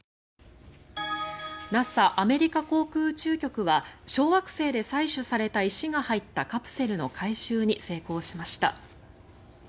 ＮＡＳＡ・アメリカ航空宇宙局は小惑星で採取された石が入ったカプセルの回収に成功しました。